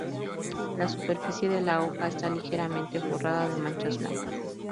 La superficie de la hoja está ligeramente forrada de manchas blancas.